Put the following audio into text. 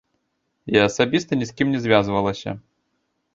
Я асабіста ні з кім не звязвалася.